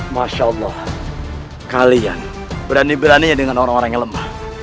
masya allah kalian berani beraninya dengan orang orang yang lemah